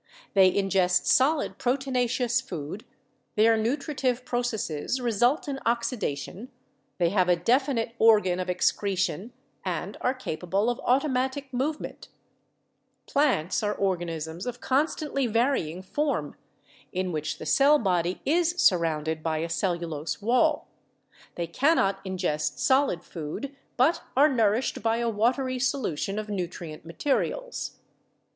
They ingest solid proteinaceous food, their nutritive proc esses result in oxidation, they have a definite organ of ex cretion and are capable of automatic movement 106 LIFE PROCESSES 107 "Plants are organisms of constantly varying form in which the cell body is surrounded by a cellulose wall ; they cannot ingest solid food, but are nourished by a watery solution of nutrient materials.